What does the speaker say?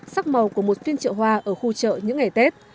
sắc màu của một phiên chợ hoa ở khu chợ những ngày tết